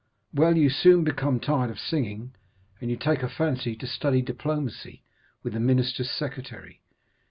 Well, you soon become tired of singing, and you take a fancy to study diplomacy with the minister's secretary.